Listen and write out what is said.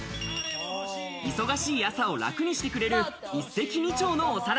忙しい朝を楽にしてくれる、一石二鳥のお皿。